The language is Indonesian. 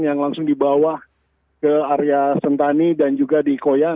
yang langsung dibawa ke area sentani dan juga di koyan